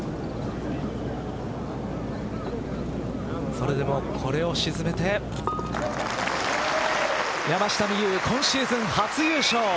それでもこれを沈めて山下美夢有今シーズン初優勝。